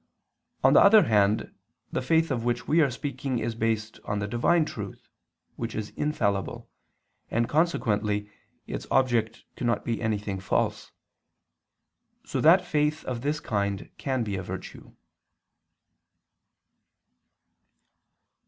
On the other hand, the faith of which we are speaking is based on the Divine Truth, which is infallible, and consequently its object cannot be anything false; so that faith of this kind can be a virtue.